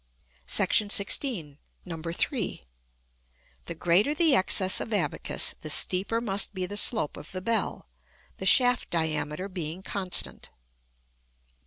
§ XVI. 3. _The greater the excess of abacus, the steeper must be the slope of the bell, the shaft diameter being constant.